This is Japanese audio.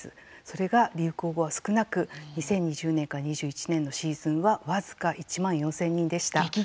それが、流行後は少なく２０２０年から２１年のシーズンは僅か１万４０００人でした。